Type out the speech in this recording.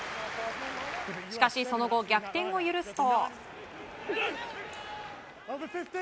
しかし、その後逆転を許すと。